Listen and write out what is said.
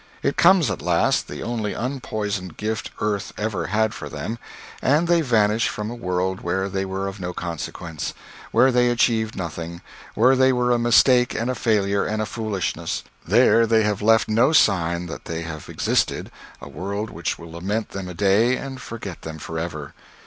It comes at last the only unpoisoned gift earth ever had for them and they vanish from a world where they were of no consequence; where they achieved nothing; where they were a mistake and a failure and a foolishness; there they have left no sign that they have existed a world which will lament them a day and forget them forever.